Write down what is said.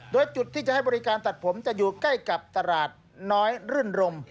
โดยจุดที่จะให้บริการตัดผมจะอยู่ใกล้กับตลาดน้อยรื่นรม